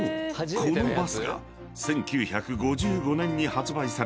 このバスが１９５５年に発売された］